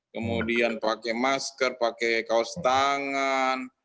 kemudian pakai masker pakai kaos tangan